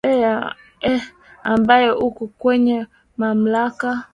aeh ambaye uko kwenye mamlaka